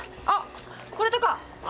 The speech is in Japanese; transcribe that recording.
あっこれとか！